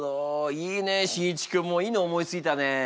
いいねしんいち君もいいの思いついたね。